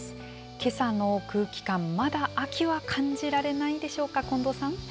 けさの空気感、まだ秋は感じられないでしょうか、近藤さん。